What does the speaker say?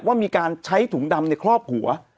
ว่ามีการใช้ถุงดำในครอบหัว